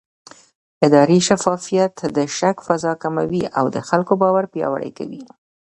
اداري شفافیت د شک فضا کموي او د خلکو باور پیاوړی کوي